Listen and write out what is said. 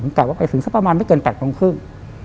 กลับว่าไปถึงสักประมาณไม่เกิน๘โมงครึ่ง